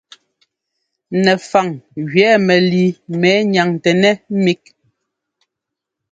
Nɛfaŋ gẅɛɛ mɛlii mɛ nyaŋtɛnɛ́ mík.